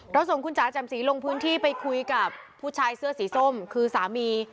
ส่งคุณจ๋าแจ่มสีลงพื้นที่ไปคุยกับผู้ชายเสื้อสีส้มคือสามี